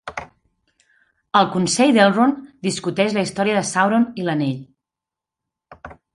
El Consell d'Elrond discuteix la història de Sauron i l'Anell.